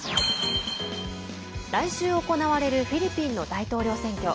来週行われるフィリピンの大統領選挙。